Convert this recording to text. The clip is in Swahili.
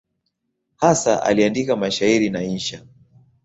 Hasa aliandika mashairi na insha.